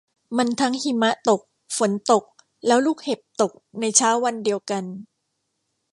มันทั้งหิมะตกฝนตกแล้วลูกเห็บตกในเช้าวันเดียวกัน